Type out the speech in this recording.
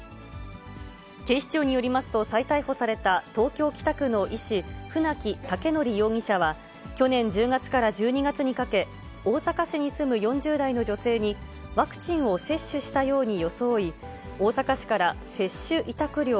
警視庁によりますと、再逮捕された東京・北区の医師、船木威徳容疑者は、去年１０月から１２月にかけ、大阪市に住む４０代の女性に、ワクチンを接種したように装い、大阪市から接種委託料